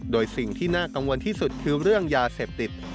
โดยสิ่งที่น่ากังวลที่สุดคือเรื่องยาเสพติด